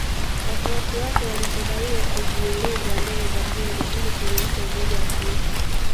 Wafuasi wake walipodaiwa kujieleza mbele ya Bunge ili kurudisha umoja wa kanisa